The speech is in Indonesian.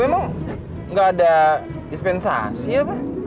emang nggak ada dispensasi apa